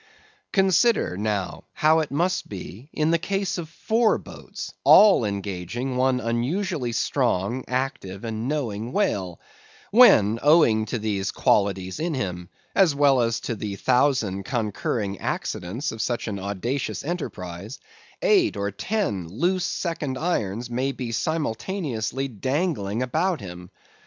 Consider, now, how it must be in the case of four boats all engaging one unusually strong, active, and knowing whale; when owing to these qualities in him, as well as to the thousand concurring accidents of such an audacious enterprise, eight or ten loose second irons may be simultaneously dangling about him.